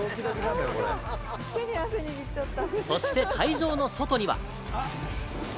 そして会場の外には。